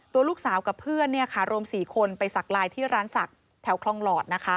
ตัวลูกสาวกับเพื่อนรวม๔คนไปสักลายที่ร้านศักดิ์แถวคลองหลอดนะคะ